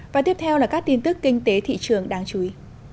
và các tin tức kinh tế thị trường đáng chú ý